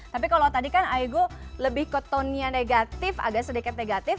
tapi kalau tadi kan aego lebih ke tonnya negatif agak sedikit negatif